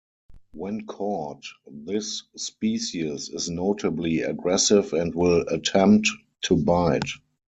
When caught, this species is notably aggressive and will attempt to bite.